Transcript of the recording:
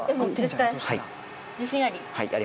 自信あり？